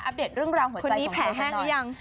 อัปเดตเรื่องราวหัวใจของเขาหน่อย